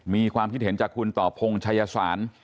มีความคิดเห็นจากคุณต่อพงชายสาร